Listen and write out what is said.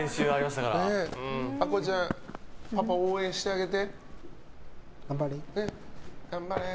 葵子ちゃんパパ応援してあげて。